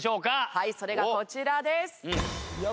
はいそれがこちらです。